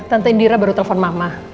tante indira baru telepon mama